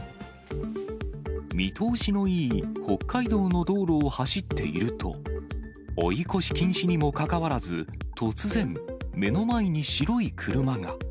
見通しのいい北海道の道路を走っていると、追い越し禁止にもかかわらず、突然、目の前に白い車が。